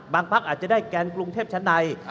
พักอาจจะได้แกนกรุงเทพชั้นใน